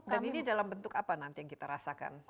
dan ini dalam bentuk apa nanti yang kita rasakan